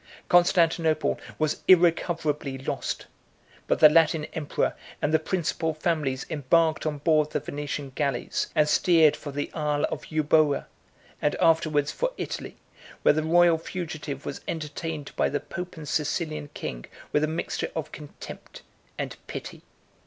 Constantinople was irrecoverably lost; but the Latin emperor and the principal families embarked on board the Venetian galleys, and steered for the Isle of Euba, and afterwards for Italy, where the royal fugitive was entertained by the pope and Sicilian king with a mixture of contempt and pity.